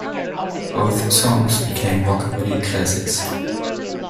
Both songs became rockabilly classics.